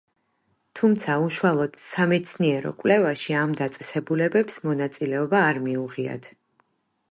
თუმცა, უშუალოდ სამეცნიერო კვლევაში ამ დაწესებულებებს მონაწილეობა არ მიუღიათ.